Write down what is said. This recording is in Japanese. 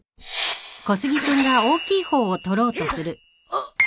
あっ。